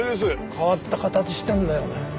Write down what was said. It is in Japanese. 変わった形してんだよね。